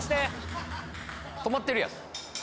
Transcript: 止まってるやん